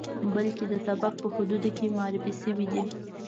بلکې د سبک په حدودو کې معرفي شوی دی.